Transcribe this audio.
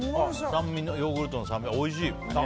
ヨーグルトの酸味がおいしい。